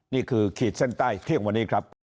ขีดเส้นใต้เที่ยงวันนี้ครับ